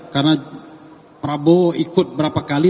karena prabowo ikut berapa kali